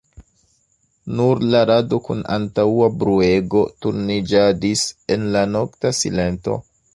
Nur la rado kun antaŭa bruego turniĝadis en la nokta silento.